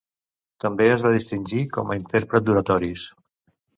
També es va distingir com a intèrpret d'oratoris.